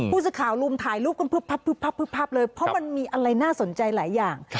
ผู้สื่อข่าวลุมถ่ายรูปกันพึบพับเลยเพราะมันมีอะไรน่าสนใจหลายอย่าง